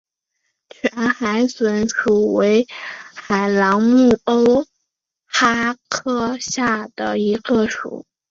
全海笋属为海螂目鸥蛤科下的一个属。